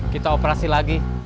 kita operasi lagi